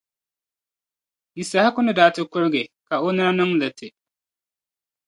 Yisahaku ni daa ti kurigi, ka o nina niŋ liti.